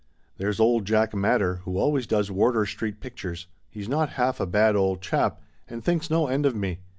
" There's old Jack Madder, who always does Wardour Street pictures; he's not half a bad old chap, and thinks no end of me.